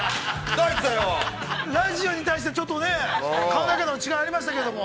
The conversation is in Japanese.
ラジオに対して、ちょっとね、考え方の違いがありましたけど。